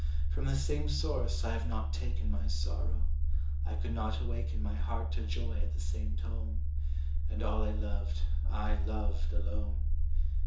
From the same source I have not taken My sorrow; I could not awaken My heart to joy at the same tone; And all I loved I loved alone.